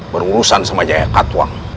berurusan sama jaya katuang